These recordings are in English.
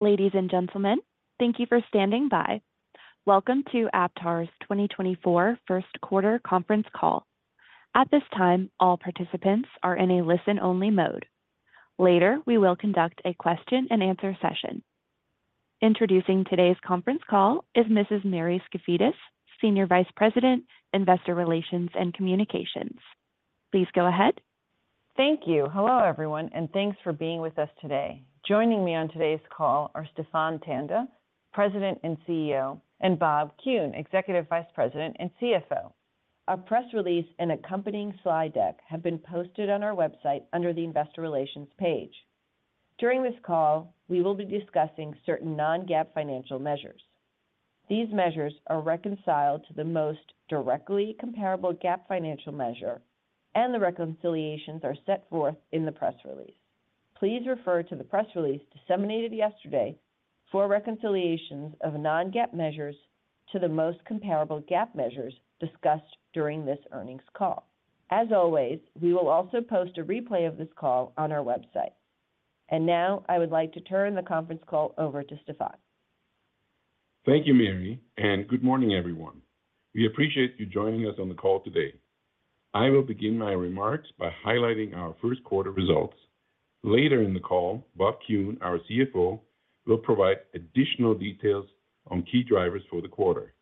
Ladies and gentlemen, thank you for standing by. Welcome to Aptar's 2024 First Quarter Conference Call. At this time, all participants are in a listen-only mode. Later, we will conduct a question-and-answer session. Introducing today's conference call is Mrs. Mary Skafidas, Senior Vice President, Investor Relations and Communications. Please go ahead. Thank you. Hello, everyone, and thanks for being with us today. Joining me on today's call are Stephan Tanda, President and CEO, and Bob Kuhn, Executive Vice President and CFO. Our press release and accompanying slide deck have been posted on our website under the Investor Relations page. During this call, we will be discussing certain non-GAAP financial measures. These measures are reconciled to the most directly comparable GAAP financial measure, and the reconciliations are set forth in the press release. Please refer to the press release disseminated yesterday for reconciliations of non-GAAP measures to the most comparable GAAP measures discussed during this earnings call. As always, we will also post a replay of this call on our website. Now, I would like to turn the conference call over to Stephan. Thank you, Mary, and good morning, everyone. We appreciate you joining us on the call today. I will begin my remarks by highlighting our first quarter results. Later in the call, Bob Kuhn, our CFO, will provide additional details on key drivers for the quarter.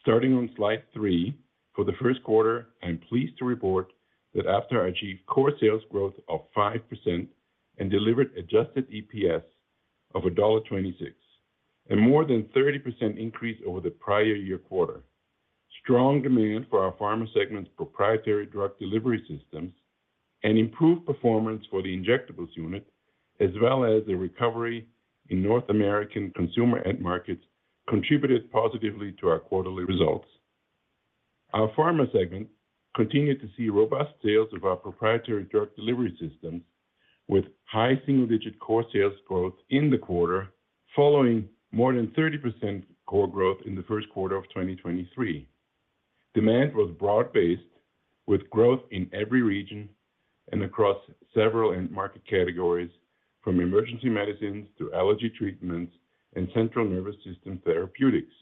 Starting on slide 3, for the first quarter, I'm pleased to report that Aptar achieved core sales growth of 5% and delivered adjusted EPS of $1.26, a more than 30% increase over the prior year quarter. Strong demand for our Pharma segment's Proprietary Drug Delivery Systems and improved performance for the Injectables unit, as well as a recovery in North American consumer end markets, contributed positively to our quarterly results. Our Pharma segment continued to see robust sales of our Proprietary Drug Delivery Systems, with high single-digit core sales growth in the quarter, following more than 30% core growth in the first quarter of 2023. Demand was broad-based, with growth in every region and across several end market categories, from emergency medicines to allergy treatments and central nervous system therapeutics.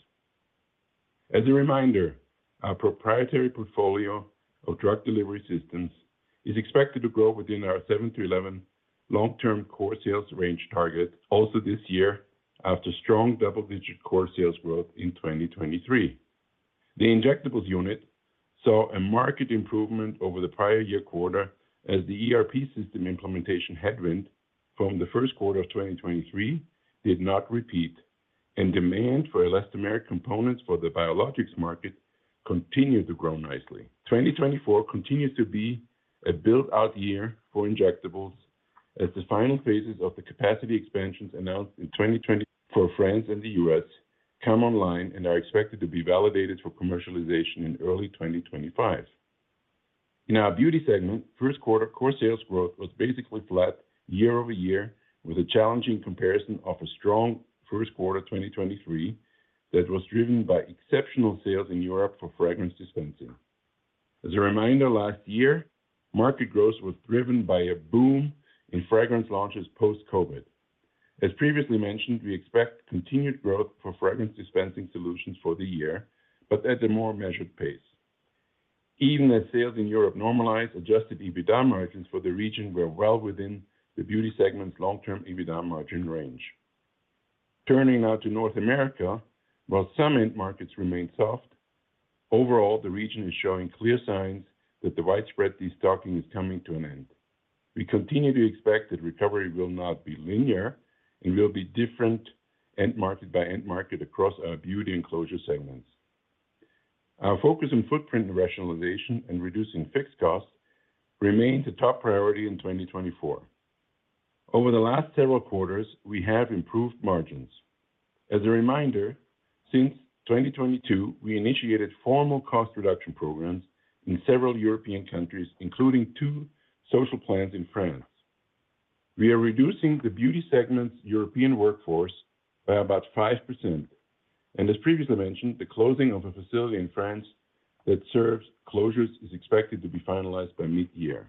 As a reminder, our proprietary portfolio of drug delivery systems is expected to grow within our 7-11 long-term core sales range target also this year, after strong double-digit core sales growth in 2023. The Injectables unit saw a market improvement over the prior year quarter as the ERP system implementation headwind from the first quarter of 2023 did not repeat, and demand for elastomeric components for the biologics market continued to grow nicely. 2024 continues to be a build-out year for injectables as the final phases of the capacity expansions announced in 2024 in France and the U.S. come online and are expected to be validated for commercialization in early 2025. In our Beauty segment, first quarter core sales growth was basically flat year-over-year, with a challenging comparison of a strong first quarter 2023 that was driven by exceptional sales in Europe for fragrance dispensing. As a reminder, last year, market growth was driven by a boom in fragrance launches post-COVID. As previously mentioned, we expect continued growth for fragrance dispensing solutions for the year, but at a more measured pace. Even as sales in Europe normalized, adjusted EBITDA margins for the region were well within the Beauty segment's long-term EBITDA margin range. Turning now to North America, while some end markets remain soft, overall, the region is showing clear signs that the widespread destocking is coming to an end. We continue to expect that recovery will not be linear and will be different end market by end market across our Beauty and Closure segments. Our focus on footprint rationalization and reducing fixed costs remains a top priority in 2024. Over the last several quarters, we have improved margins. As a reminder, since 2022, we initiated formal cost reduction programs in several European countries, including two social plans in France. We are reducing the Beauty segment's European workforce by about 5%, and as previously mentioned, the closing of a facility in France that serves closures is expected to be finalized by mid-year.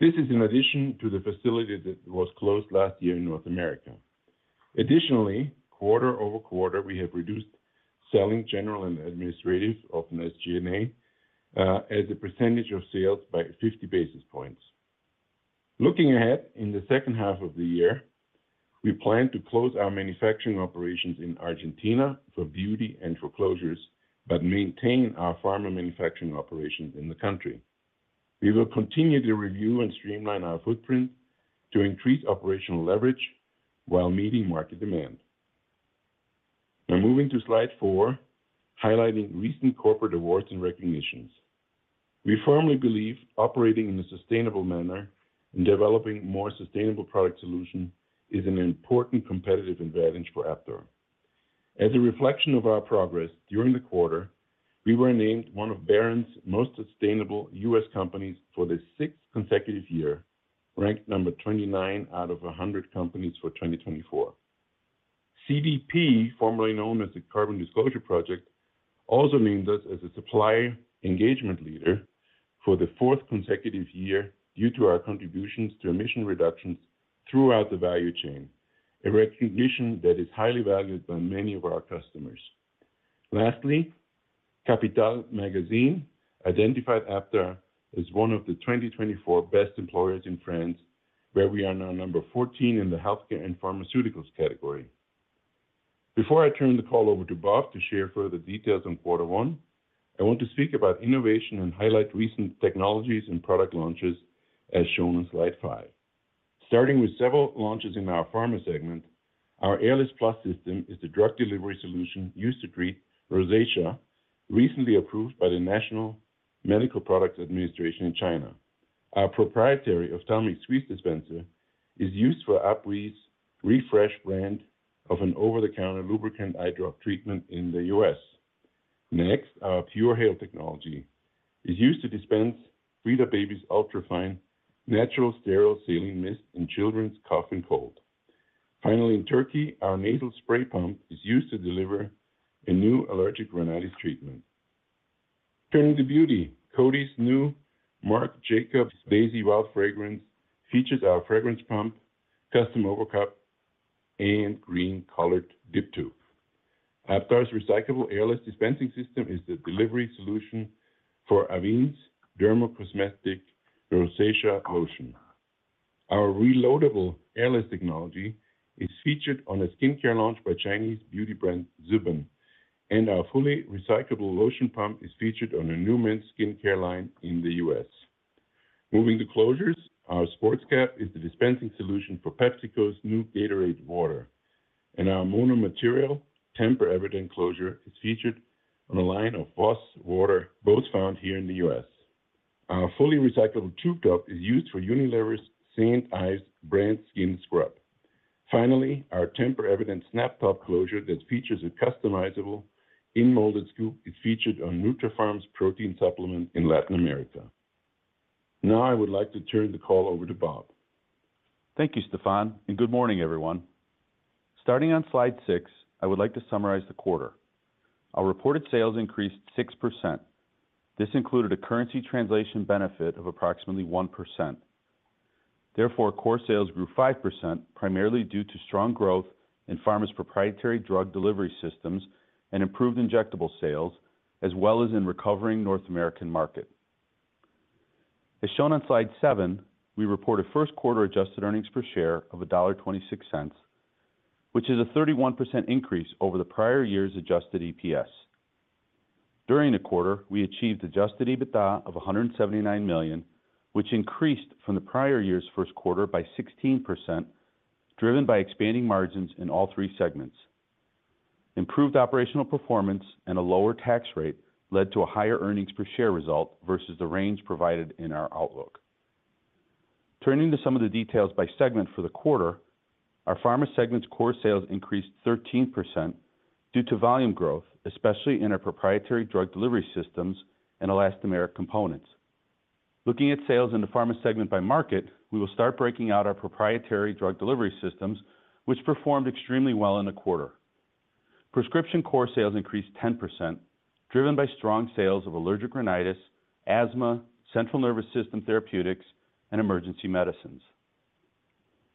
This is in addition to the facility that was closed last year in North America. Additionally, quarter-over-quarter, we have reduced selling, general, and administrative, or SG&A, as a percentage of sales by 50 basis points. Looking ahead, in the second half of the year, we plan to close our manufacturing operations in Argentina for Beauty and for Closures, but maintain our Pharma manufacturing operations in the country. We will continue to review and streamline our footprint to increase operational leverage while meeting market demand. Now, moving to slide 4, highlighting recent corporate awards and recognitions. We firmly believe operating in a sustainable manner and developing more sustainable product solution is an important competitive advantage for Aptar. As a reflection of our progress during the quarter, we were named one of Barron's Most Sustainable U.S. Companies for the 6th consecutive year, ranked number 29 out of a hundred companies for 2024. CDP, formerly known as the Carbon Disclosure Project, also named us as a supplier engagement leader for the 4th consecutive year, due to our contributions to emission reductions throughout the value chain, a recognition that is highly valued by many of our customers. Lastly, Capital Magazine identified Aptar as one of the 2024 best employers in France, where we are now number 14 in the healthcare and pharmaceuticals category. Before I turn the call over to Bob to share further details on Q1, I want to speak about innovation and highlight recent technologies and product launches, as shown on slide 5. Starting with several launches in our pharma segment, our Airless+ system is the drug delivery solution used to treat rosacea, recently approved by the National Medical Products Administration in China. Our proprietary Ophthalmic Squeeze Dispenser is used for AbbVie's Refresh brand of an over-the-counter lubricant eye drop treatment in the U.S. Next, our PureHale technology is used to dispense Frida Baby's ultra-fine, natural, sterile saline mist in children's cough and cold. Finally, in Turkey, our nasal spray pump is used to deliver a new allergic rhinitis treatment. Turning to beauty, Coty's new Marc Jacobs Daisy Wild fragrance features our fragrance pump, custom over cup, and green-colored dip tube. Aptar's recyclable airless dispensing system is the delivery solution for Avène's dermocosmetic rosacea lotion. Our reloadable airless technology is featured on a skincare launch by Chinese beauty brand, Zhiben, and our fully recyclable lotion pump is featured on a new men's skincare line in the U.S. Moving to closures, our sports cap is the dispensing solution for PepsiCo's new Gatorade Water, and our mono-material tamper-evident closure is featured on a line of VOSS water, both found here in the U.S. Our fully recyclable Tube Top is used for Unilever's St. Ives brand skin scrub. Finally, our tamper-evident snap top closure that features a customizable in-molded scoop, is featured on Nutrapharm's protein supplement in Latin America. Now, I would like to turn the call over to Bob. Thank you, Stephan, and good morning, everyone. Starting on slide 6, I would like to summarize the quarter. Our reported sales increased 6%. This included a currency translation benefit of approximately 1%. Therefore, core sales grew 5%, primarily due to strong growth in pharma's Proprietary Drug Delivery Systems and improved injectable sales, as well as in recovering North America market. As shown on slide 7, we reported first quarter adjusted earnings per share of $1.26, which is a 31% increase over the prior year's adjusted EPS. During the quarter, we achieved adjusted EBITDA of $179 million, which increased from the prior year's first quarter by 16%, driven by expanding margins in all three segments. Improved operational performance and a lower tax rate led to a higher earnings per share result versus the range provided in our outlook. Turning to some of the details by segment for the quarter, our pharma segment's core sales increased 13% due to volume growth, especially in our Proprietary Drug Delivery Systems and elastomeric components. Looking at sales in the Pharma segment by market, we will start breaking out our Proprietary Drug Delivery Systems, which performed extremely well in the quarter. Prescription core sales increased 10%, driven by strong sales of allergic rhinitis, asthma, central nervous system therapeutics, and emergency medicines.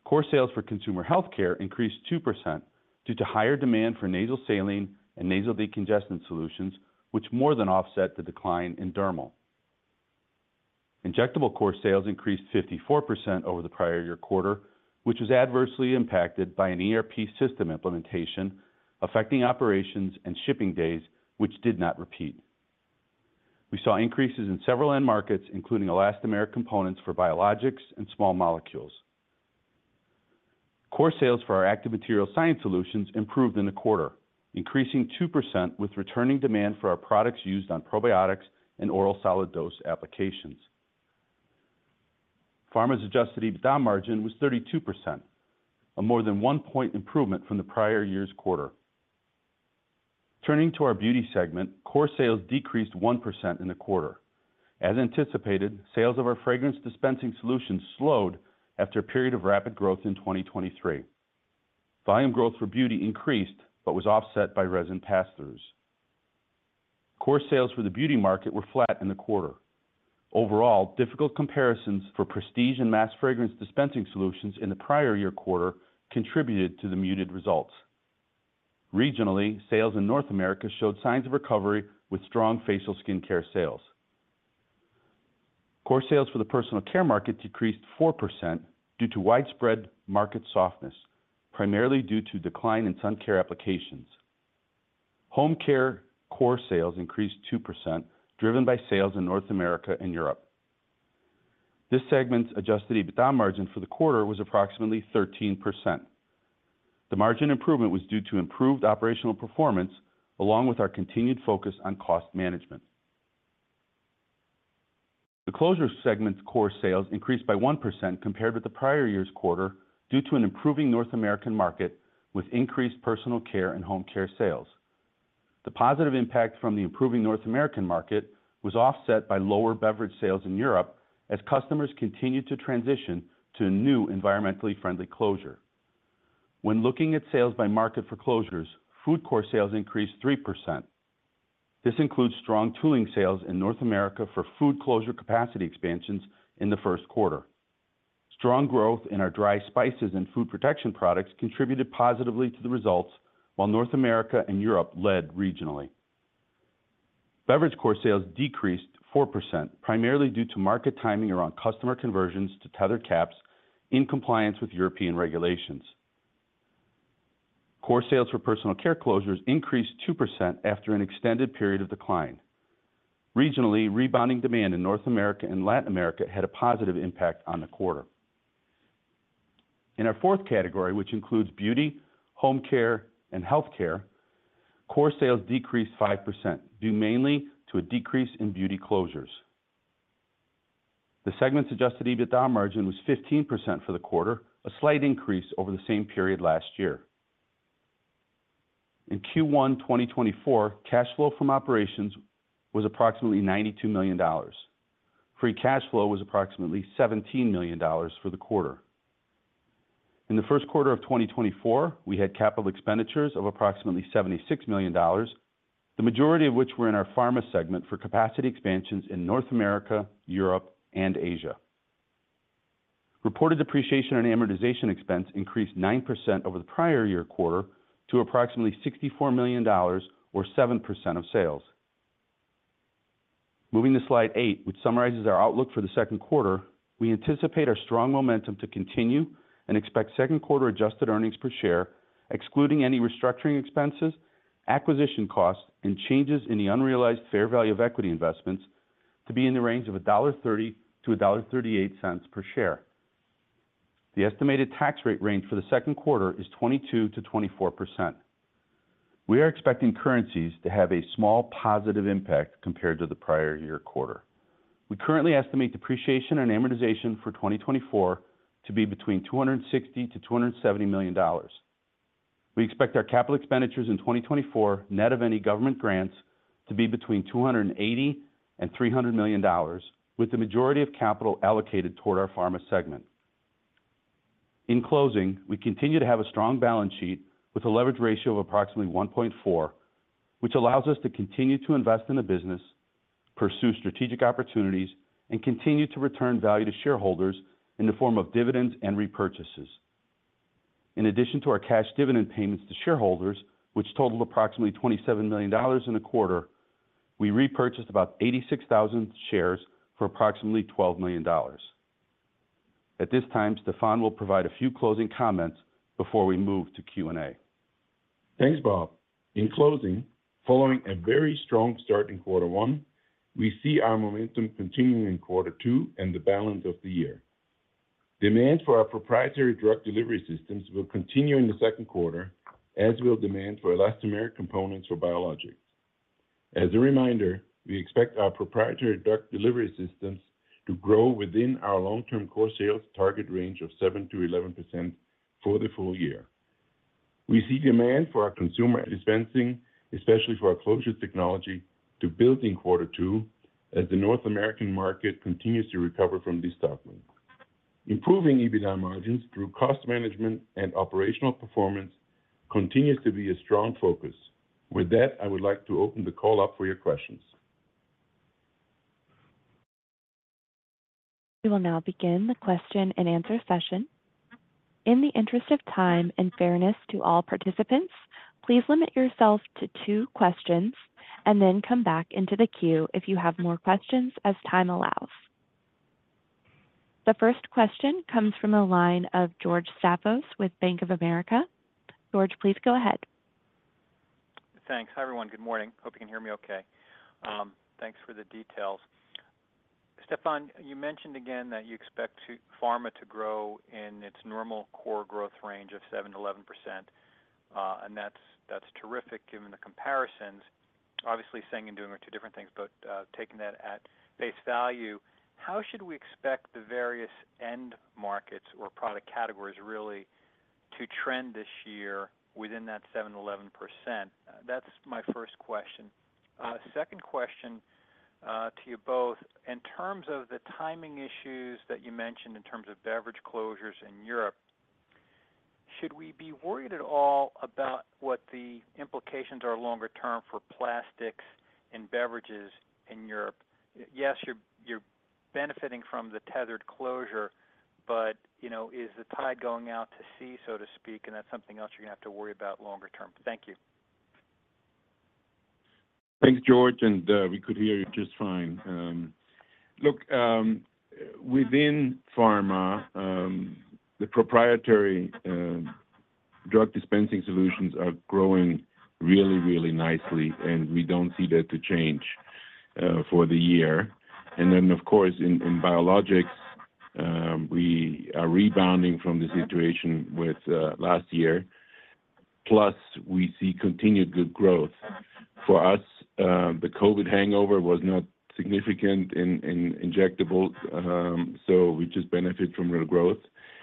Core sales for Consumer Healthcare increased 2% due to higher demand for nasal saline and nasal decongestant solutions, which more than offset the decline in Dermal. Injectable core sales increased 54% over the prior year quarter, which was adversely impacted by an ERP system implementation, affecting operations and shipping days, which did not repeat. We saw increases in several end markets, including elastomeric components for biologics and small molecules. Core sales for our Active Material Science Solutions improved in the quarter, increasing 2% with returning demand for our products used on probiotics and oral solid dose applications. Pharma's adjusted EBITDA margin was 32%, a more than 1 point improvement from the prior year's quarter. Turning to our beauty segment, core sales decreased 1% in the quarter. As anticipated, sales of our fragrance dispensing solutions slowed after a period of rapid growth in 2023. Volume growth for Beauty increased but was offset by resin passthroughs. Core sales for the Beauty market were flat in the quarter. Overall, difficult comparisons for prestige and mass fragrance dispensing solutions in the prior year quarter contributed to the muted results. Regionally, sales in North America showed signs of recovery with strong facial skincare sales. Core sales for the Personal Care market decreased 4% due to widespread market softness, primarily due to decline in sun care applications. Home care core sales increased 2%, driven by sales in North America and Europe. This segment's adjusted EBITDA margin for the quarter was approximately 13%. The margin improvement was due to improved operational performance, along with our continued focus on cost management. The Closures segment's core sales increased by 1% compared with the prior year's quarter, due to an improving North American market with increased Personal Care and Home Care sales. The positive impact from the improving North American market was offset by lower Beverage sales in Europe, as customers continued to transition to a new environmentally friendly closure. When looking at sales by market for closures, Food core sales increased 3%. This includes strong tooling sales in North America for Food closure capacity expansions in the first quarter. Strong growth in our dry spices and Food Protection products contributed positively to the results, while North America and Europe led regionally. Beverage core sales decreased 4%, primarily due to market timing around customer conversions to tethered caps in compliance with European regulations. Core sales for Personal Care closures increased 2% after an extended period of decline. Regionally, rebounding demand in North America and Latin America had a positive impact on the quarter. In our fourth category, which includes Beauty, Home Care, and Healthcare, core sales decreased 5%, due mainly to a decrease in beauty closures. The segment's adjusted EBITDA margin was 15% for the quarter, a slight increase over the same period last year. In Q1 2024, cash flow from operations was approximately $92 million. Free cash flow was approximately $17 million for the quarter. In the first quarter of 2024, we had capital expenditures of approximately $76 million, the majority of which were in our Pharma segment for capacity expansions in North America, Europe, and Asia. Reported depreciation and amortization expense increased 9% over the prior year quarter to approximately $64 million or 7% of sales. Moving to slide 8, which summarizes our outlook for the second quarter, we anticipate our strong momentum to continue and expect second quarter adjusted earnings per share, excluding any restructuring expenses, acquisition costs, and changes in the unrealized fair value of equity investments to be in the range of $1.30-$1.38 per share. The estimated tax rate range for the second quarter is 22%-24%. We are expecting currencies to have a small positive impact compared to the prior year quarter. We currently estimate depreciation and amortization for 2024 to be between $260 million-$270 million. We expect our capital expenditures in 2024, net of any government grants, to be between $280 million-$300 million, with the majority of capital allocated toward our Pharma segment. In closing, we continue to have a strong balance sheet with a leverage ratio of approximately 1.4, which allows us to continue to invest in the business, pursue strategic opportunities, and continue to return value to shareholders in the form of dividends and repurchases. In addition to our cash dividend payments to shareholders, which totaled approximately $27 million in a quarter, we repurchased about 86,000 shares for approximately $12 million. At this time, Stephan will provide a few closing comments before we move to Q&A. Thanks, Bob. In closing, following a very strong start in quarter one, we see our momentum continuing in quarter two and the balance of the year. Demand for our Proprietary Drug Delivery Systems will continue in the second quarter, as will demand for elastomeric components for biologics. As a reminder, we expect our Proprietary Drug Delivery Systems to grow within our long-term core sales target range of 7%-11% for the full year. We see demand for our consumer dispensing, especially for our closures technology, to build in quarter two as the North American market continues to recover from destocking. Improving EBITDA margins through cost management and operational performance continues to be a strong focus. With that, I would like to open the call up for your questions. We will now begin the question and answer session. In the interest of time and fairness to all participants, please limit yourselves to two questions, and then come back into the queue if you have more questions as time allows. The first question comes from the line of George Staphos with Bank of America. George, please go ahead. Thanks. Hi, everyone. Good morning. Hope you can hear me okay. Thanks for the details. Stephan, you mentioned again that you expect to Pharma to grow in its normal core growth range of 7%-11%, and that's, that's terrific given the comparisons. Obviously, saying and doing are two different things, but taking that at face value, how should we expect the various end markets or product categories really to trend this year within that 7%-11%? That's my first question. Second question, to you both. In terms of the timing issues that you mentioned in terms of Beverage closures in Europe, should we be worried at all about what the implications are longer term for plastics and Beverages in Europe? Yes, you're benefiting from the tethered closure, but, you know, is the tide going out to sea, so to speak, and that's something else you're gonna have to worry about longer term? Thank you. Thanks, George, and we could hear you just fine. Look, within Pharma, the proprietary drug dispensing solutions are growing really, really nicely, and we don't see that to change for the year. And then, of course, in biologics, we are rebounding from the situation with last year, plus we see continued good growth. For us, the COVID hangover was not significant in injectables, so we just benefit from real growth.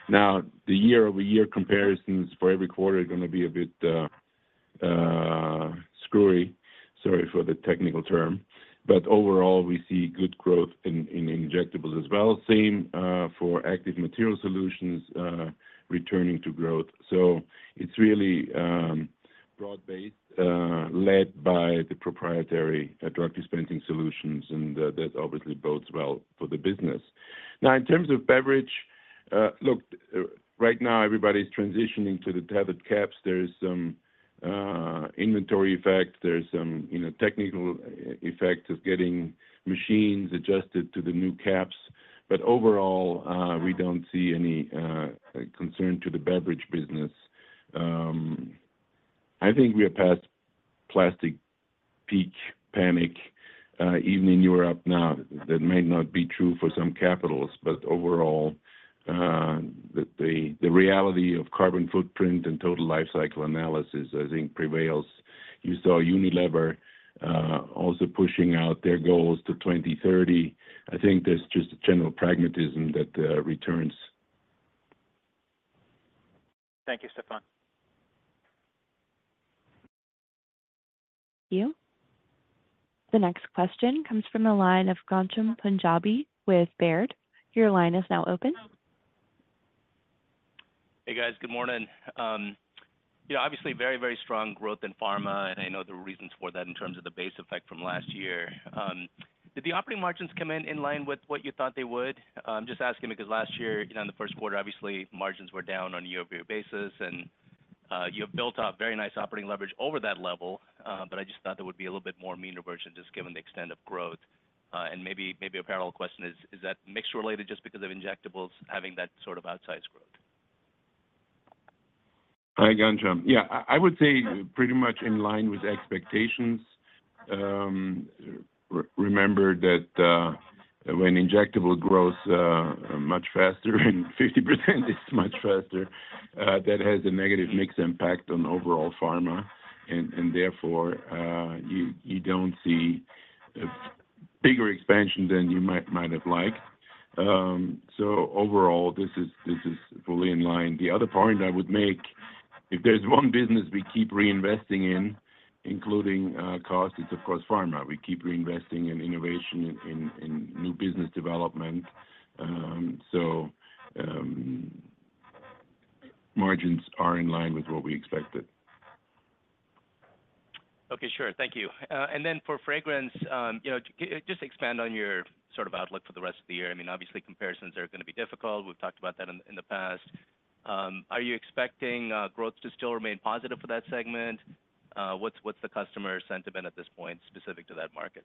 Now, the year-over-year comparisons for every quarter are gonna be a bit screwy. Sorry for the technical term, but overall, we see good growth in injectables as well. Same for active material solutions, returning to growth. So it's really broad-based, led by the proprietary drug dispensing solutions, and that obviously bodes well for the business. Now, in terms of Beverage, look, right now, everybody's transitioning to the tethered caps. There's some inventory effect. There's some, you know, technical effect of getting machines adjusted to the new caps. But overall, we don't see any concern to the Beverage business. I think we are past plastic peak panic, even in Europe now. That may not be true for some capitals, but overall, the reality of carbon footprint and total life cycle analysis, I think, prevails. You saw Unilever also pushing out their goals to 2030. I think there's just a general pragmatism that returns. Thank you, Stephan. Thank you. The next question comes from the line of Ghansham Panjabi with Baird. Your line is now open. Hey, guys. Good morning. Yeah, obviously very, very strong growth in Pharma, and I know the reasons for that in terms of the base effect from last year. Did the operating margins come in in line with what you thought they would? I'm just asking because last year, you know, in the first quarter, obviously, margins were down on a year-over-year basis, and you have built up very nice operating leverage over that level. But I just thought there would be a little bit more mean reversion, just given the extent of growth. And maybe, maybe a parallel question is: Is that mix related just because of injectables having that sort of outsized growth? Hi, Ghansham. Yeah, I would say pretty much in line with expectations. Remember that when injectable grows much faster, and 50% is much faster, that has a negative mix impact on overall pharma, and therefore you don't see a bigger expansion than you might have liked. So overall, this is fully in line. The other point I would make, if there's one business we keep reinvesting in, including costs, it's of course, pharma. We keep reinvesting in innovation, in new business development. So, margins are in line with what we expected. Okay, sure. Thank you. And then for fragrance, you know, just expand on your sort of outlook for the rest of the year. I mean, obviously comparisons are gonna be difficult. We've talked about that in the past. Are you expecting growth to still remain positive for that segment? What's the customer sentiment at this point, specific to that market?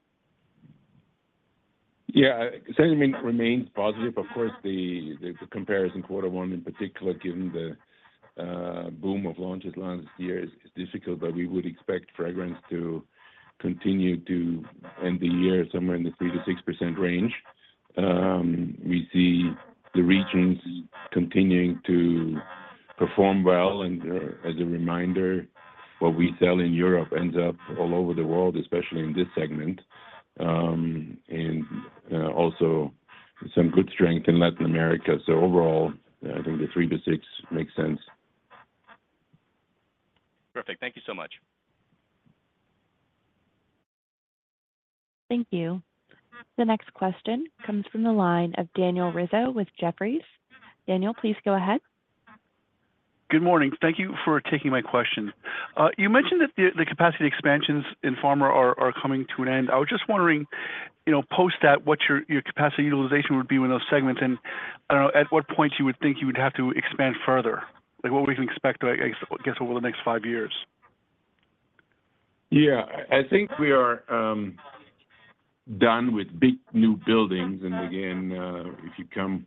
Yeah, sentiment remains positive. Of course, the comparison quarter one, in particular, given the boom of launches last year, is difficult, but we would expect fragrance to continue to end the year somewhere in the 3%-6% range. We see the regions continuing to perform well, and, as a reminder, what we sell in Europe ends up all over the world, especially in this segment. Also some good strength in Latin America. So overall, I think the 3%-6% makes sense. Perfect. Thank you so much. Thank you. The next question comes from the line of Daniel Rizzo with Jefferies. Daniel, please go ahead. Good morning. Thank you for taking my question. You mentioned that the capacity expansions in Pharma are coming to an end. I was just wondering, you know, post that, what your capacity utilization would be with those segments, and, I don't know, at what point you would think you would have to expand further? Like, what we can expect, I guess, over the next five years. Yeah. I think we are done with big new buildings, and again, if you come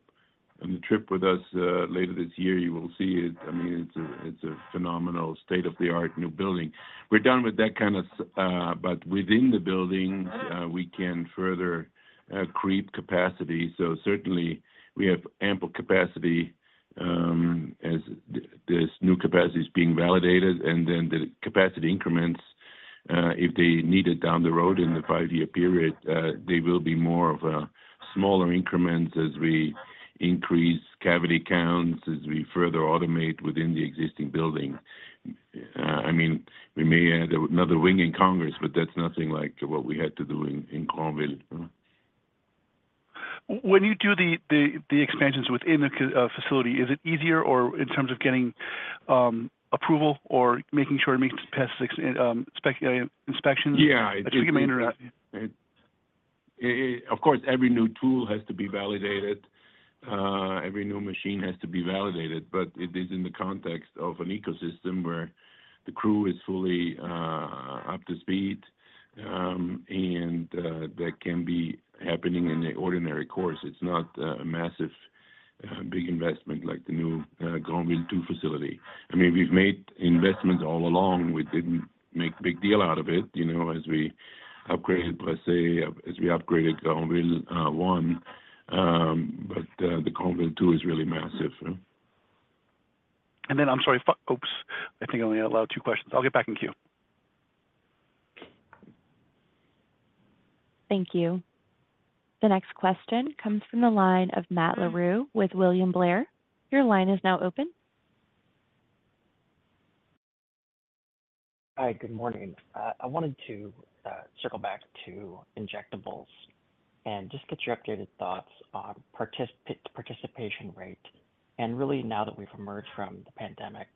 on the trip with us later this year, you will see it. I mean, it's a phenomenal state-of-the-art new building. We're done with that kind of. But within the buildings, we can further creep capacity. So certainly we have ample capacity as this new capacity is being validated, and then the capacity increments, if they need it down the road in the five-year period, they will be more of smaller increments as we increase cavity counts, as we further automate within the existing building. I mean, we may add another wing in Congers, but that's nothing like what we had to do in Granville. When you do the expansions within the facility, is it easier or, in terms of getting approval or making sure it meets past six spec inspections? Yeah. I think I may interrupt you. It, of course, every new tool has to be validated. Every new machine has to be validated, but it is in the context of an ecosystem where the crew is fully up to speed, and that can be happening in the ordinary course. It's not a massive big investment like the new Granville Two facility. I mean, we've made investments all along. We didn't make a big deal out of it, you know, as we upgraded Brécey, as we upgraded Granville One. But the Granville Two is really massive. I'm sorry. Oops! I think I only allowed two questions. I'll get back in queue. Thank you. The next question comes from the line of Matt Larew with William Blair. Your line is now open. Hi, good morning. I wanted to circle back to injectables and just get your updated thoughts on participation rate, and really now that we've emerged from the pandemic,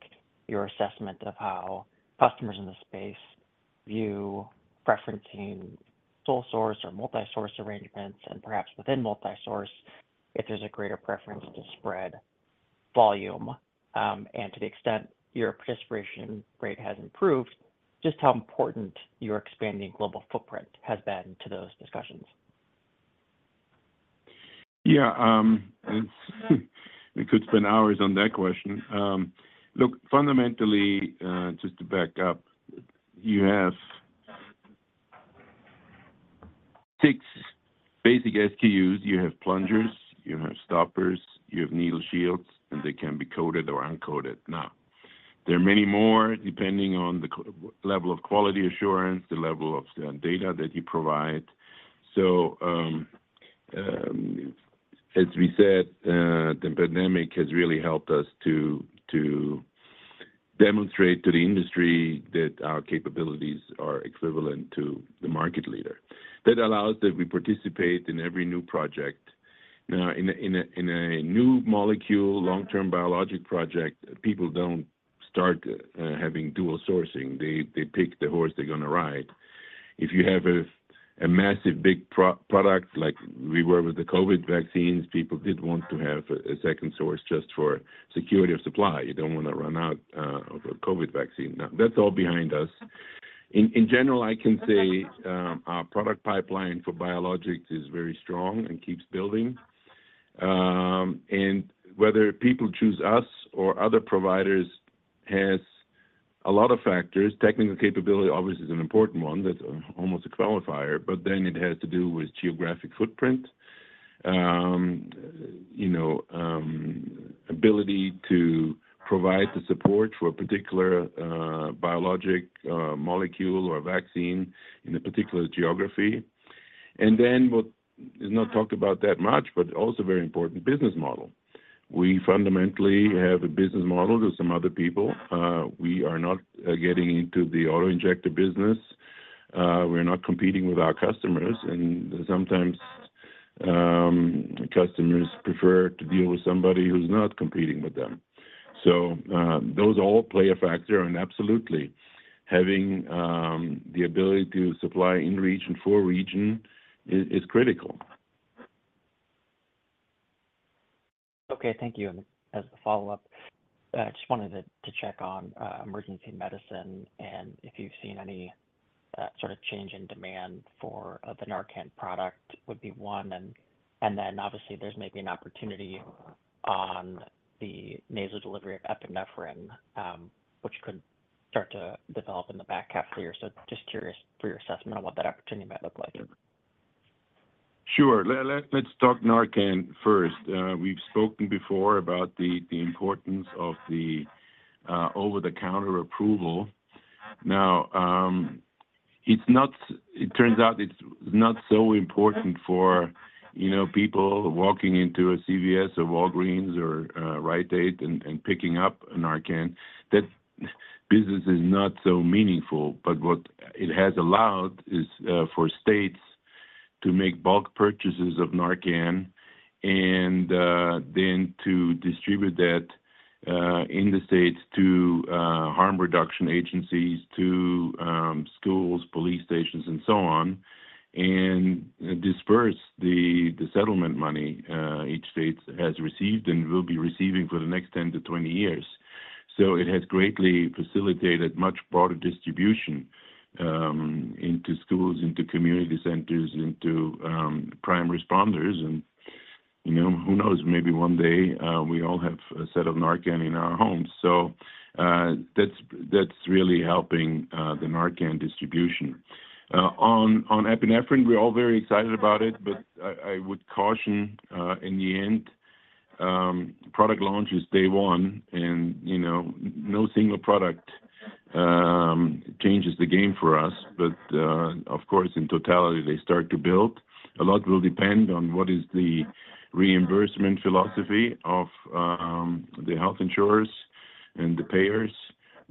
your assessment of how customers in the space view referencing sole source or multi-source arrangements, and perhaps within multi-source, if there's a greater preference to spread volume. And to the extent your participation rate has improved, just how important your expanding global footprint has been to those discussions? Yeah, it's we could spend hours on that question. Look, fundamentally, just to back up, you have six basic SKUs. You have plungers, you have stoppers, you have needle shields, and they can be coated or uncoated. Now, there are many more, depending on the level of quality assurance, the level of data that you provide. So, as we said, the pandemic has really helped us to demonstrate to the industry that our capabilities are equivalent to the market leader. That allows that we participate in every new project. Now, in a new molecule, long-term biologics project, people don't start having dual sourcing. They pick the horse they're gonna ride. If you have a massive, big product, like we were with the COVID vaccines, people did want to have a second source just for security of supply. You don't wanna run out of a COVID vaccine. Now, that's all behind us. In general, I can say our product pipeline for biologics is very strong and keeps building. And whether people choose us or other providers has a lot of factors. Technical capability, obviously, is an important one that's almost a qualifier, but then it has to do with geographic footprint. You know, ability to provide the support for a particular biologic molecule or vaccine in a particular geography. And then what is not talked about that much, but also very important, business model. We fundamentally have a business model to some other people. We are not getting into the auto injector business. We're not competing with our customers, and sometimes, customers prefer to deal with somebody who's not competing with them. So, those all play a factor, and absolutely, having the ability to supply in reach and for region is critical. Okay. Thank you. And as a follow-up, I just wanted to check on emergency medicine and if you've seen any sort of change in demand for the Narcan product, would be one. And then obviously, there's maybe an opportunity on the nasal delivery of Epinephrine, which could start to develop in the back half of the year. So just curious for your assessment on what that opportunity might look like. Sure. Let's talk Narcan first. We've spoken before about the importance of the over-the-counter approval. Now, it's not. It turns out it's not so important for, you know, people walking into a CVS or Walgreens or Rite Aid and picking up a Narcan. That business is not so meaningful, but what it has allowed is for states to make bulk purchases of Narcan and then to distribute that in the states to harm reduction agencies, to schools, police stations, and so on, and disperse the settlement money each state has received and will be receiving for the next 10-20 years. So it has greatly facilitated much broader distribution into schools, into community centers, into prime responders. And, you know, who knows? Maybe one day, we all have a set of Narcan in our homes. So, that's, that's really helping, the Narcan distribution. On, on Epinephrine, we're all very excited about it, but I, I would caution, in the end, product launch is day one, and, you know, no single product, changes the game for us. But, of course, in totality, they start to build. A lot will depend on what is the reimbursement philosophy of, the health insurers and the payers.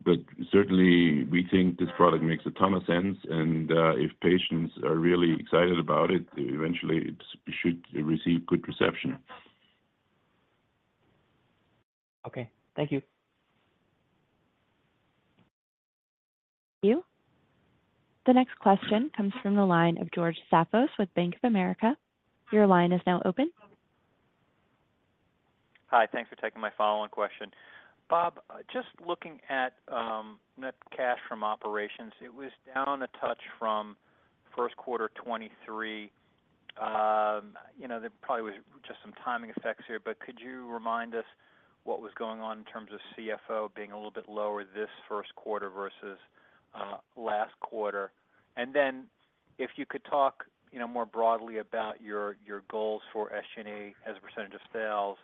But certainly, we think this product makes a ton of sense, and, if patients are really excited about it, eventually it should receive good reception. Okay. Thank you. Thank you. The next question comes from the line of George Staphos with Bank of America. Your line is now open. Hi, thanks for taking my follow-on question. Bob, just looking at net cash from operations, it was down a touch from first quarter 2023. You know, there probably was just some timing effects here, but could you remind us what was going on in terms of CFO being a little bit lower this first quarter versus last quarter? And then if you could talk, you know, more broadly about your, your goals for SG&A as a percentage of sales.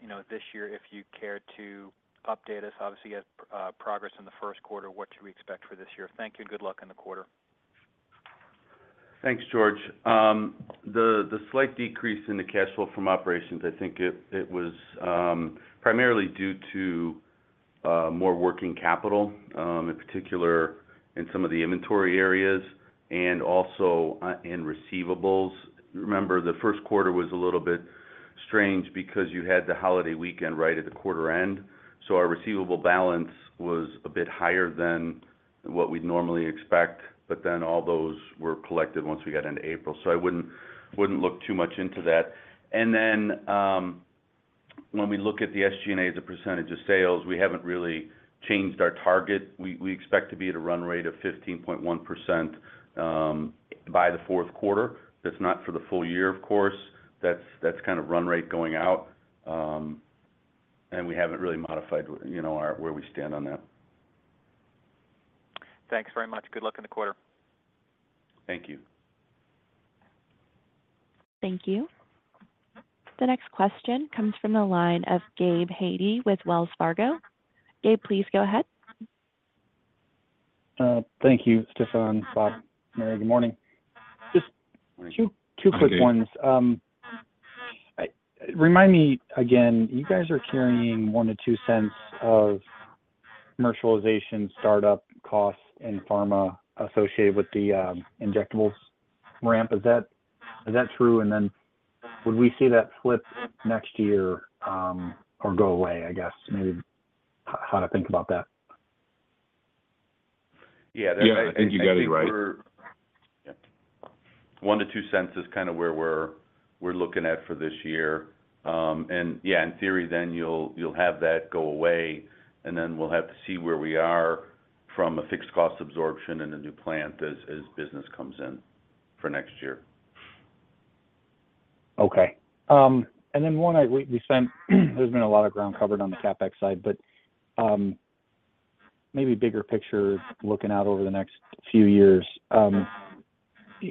You know, this year, if you care to update us. Obviously, you had progress in the first quarter. What should we expect for this year? Thank you. Good luck on the quarter. Thanks, George. The slight decrease in the cash flow from operations, I think it was primarily due to more working capital, in particular in some of the inventory areas and also in receivables. Remember, the first quarter was a little bit strange because you had the holiday weekend right at the quarter end, so our receivable balance was a bit higher than what we'd normally expect, but then all those were collected once we got into April. So I wouldn't look too much into that. And then, when we look at the SG&A as a percentage of sales, we haven't really changed our target. We expect to be at a run rate of 15.1% by the fourth quarter. That's not for the full year, of course, that's kind of run rate going out. We haven't really modified, you know, our where we stand on that. Thanks very much. Good luck in the quarter. Thank you. Thank you. The next question comes from the line of Gabe Hajde with Wells Fargo. Gabe, please go ahead. Thank you, Stephan, Bob, Mary, good morning. Morning. Just two, two quick ones. Remind me again, you guys are carrying $0.01-$0.02 of commercialization startup costs in pharma associated with the injectables ramp. Is that true? And then would we see that flip next year, or go away, I guess? Maybe how to think about that. Yeah, I think you got it right. $0.01-$0.02 is kind of where we're looking at for this year. Yeah, in theory, then you'll have that go away, and then we'll have to see where we are from a fixed cost absorption in the new plant as business comes in for next year. Okay. And then, there's been a lot of ground covered on the CapEx side, but maybe bigger picture, looking out over the next few years,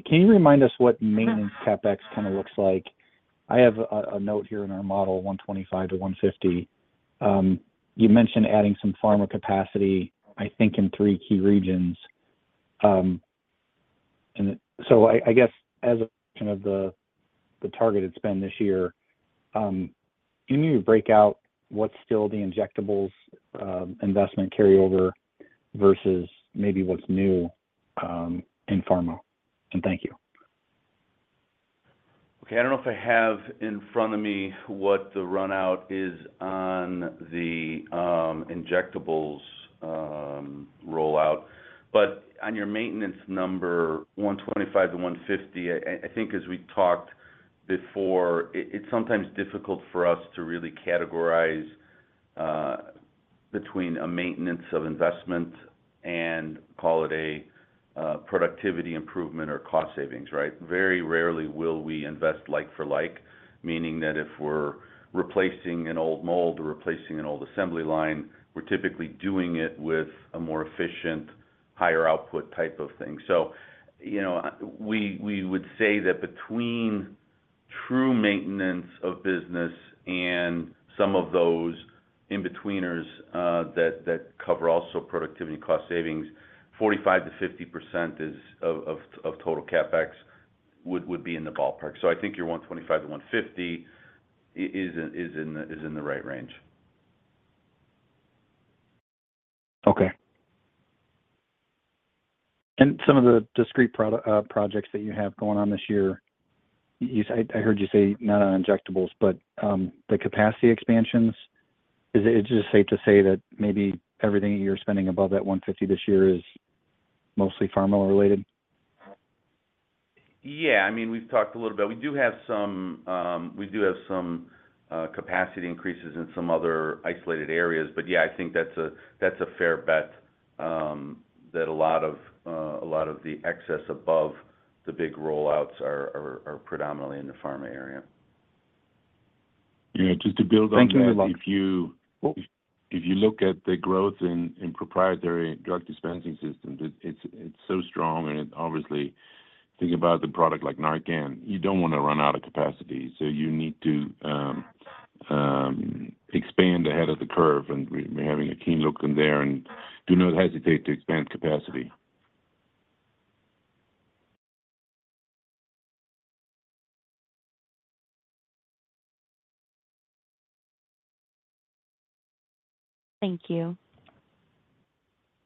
can you remind us what maintenance CapEx kinda looks like? I have a note here in our model, $125 million-$150 million. You mentioned adding some pharma capacity, I think, in three key regions. And so I guess, as kind of the targeted spend this year, can you break out what's still the injectables investment carryover versus maybe what's new in Pharma? And thank you. Okay. I don't know if I have in front of me what the run out is on the injectables rollout, but on your maintenance number, $125-$150, I think as we talked before, it's sometimes difficult for us to really categorize between a maintenance of investment and call it a productivity improvement or cost savings, right? Very rarely will we invest like for like, meaning that if we're replacing an old mold or replacing an old assembly line, we're typically doing it with a more efficient, higher output type of thing. So, you know, we would say that between true maintenance of business and some of those in-betweeners that cover also productivity and cost savings, 45%-50% is of total CapEx, would be in the ballpark. So I think your 125-150 is in the right range. Okay. And some of the discrete projects that you have going on this year, I heard you say not on injectables, but the capacity expansions, is it just safe to say that maybe everything you're spending above that $150 this year is mostly pharma-related? Yeah. I mean, we've talked a little bit. We do have some capacity increases in some other isolated areas, but yeah, I think that's a fair bet that a lot of the excess above the big rollouts are predominantly in the Pharma area. Yeah, just to build on that- Thank you very much. If you look at the growth in proprietary drug dispensing systems, it's so strong and obviously, think about the product like Narcan, you don't want to run out of capacity, so you need to expand ahead of the curve. And we're having a keen look in there and do not hesitate to expand capacity. Thank you.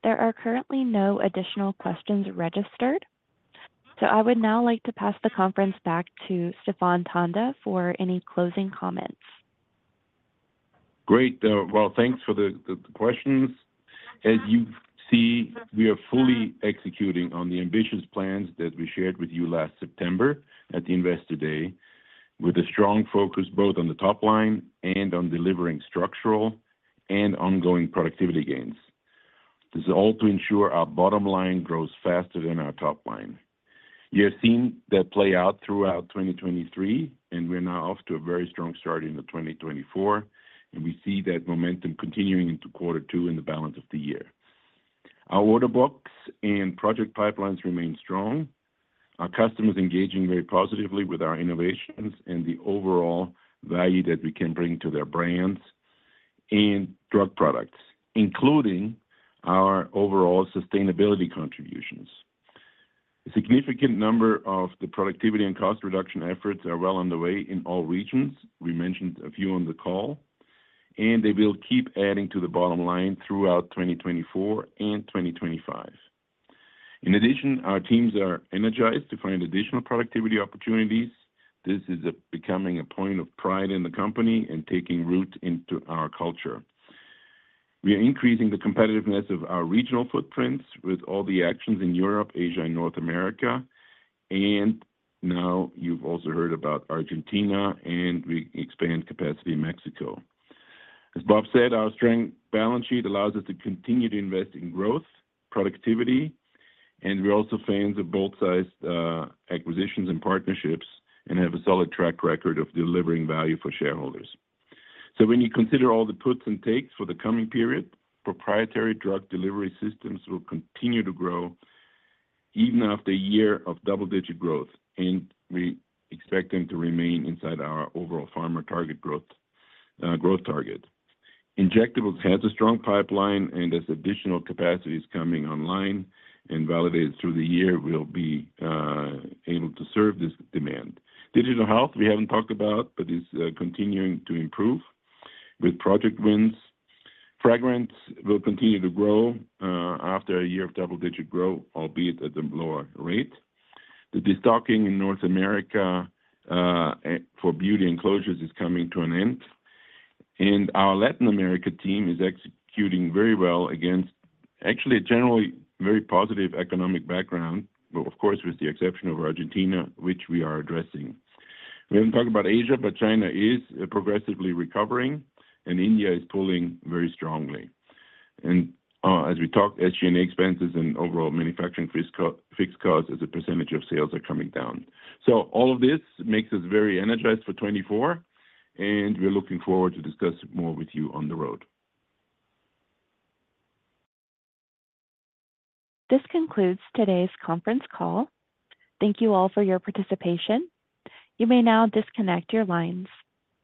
There are currently no additional questions registered, so I would now like to pass the conference back to Stephan Tanda for any closing comments. Great. Well, thanks for the questions. As you see, we are fully executing on the ambitious plans that we shared with you last September at the Investor Day, with a strong focus both on the top line and on delivering structural and ongoing productivity gains. This is all to ensure our bottom line grows faster than our top line. You have seen that play out throughout 2023, and we're now off to a very strong start in 2024, and we see that momentum continuing into quarter two and the balance of the year. Our order books and project pipelines remain strong. Our customers engaging very positively with our innovations and the overall value that we can bring to their brands and drug products, including our overall sustainability contributions. A significant number of the productivity and cost reduction efforts are well underway in all regions. We mentioned a few on the call, and they will keep adding to the bottom line throughout 2024 and 2025. In addition, our teams are energized to find additional productivity opportunities. This is becoming a point of pride in the company and taking root into our culture. We are increasing the competitiveness of our regional footprints with all the actions in Europe, Asia and North America, and now you've also heard about Argentina, and we expand capacity in Mexico. As Bob said, our strong balance sheet allows us to continue to invest in growth, productivity, and we're also fans of both sides, acquisitions and partnerships, and have a solid track record of delivering value for shareholders. So when you consider all the puts and takes for the coming period, Proprietary Drug Delivery Systems will continue to grow even after a year of double-digit growth, and we expect them to remain inside our overall pharma target growth, growth target. Injectables has a strong pipeline, and as additional capacity is coming online and validated through the year, we'll be able to serve this demand. Digital health, we haven't talked about, but is continuing to improve with project wins. Fragrance will continue to grow after a year of double-digit growth, albeit at a lower rate. The destocking in North America for Beauty and Closures is coming to an end, and our Latin America team is executing very well against actually a generally very positive economic background. But of course, with the exception of Argentina, which we are addressing. We haven't talked about Asia, but China is progressively recovering, and India is pulling very strongly. And, as we talked, SG&A expenses and overall manufacturing fixed costs as a percentage of sales are coming down. So all of this makes us very energized for 2024, and we're looking forward to discussing more with you on the road. This concludes today's conference call. Thank you all for your participation. You may now disconnect your lines.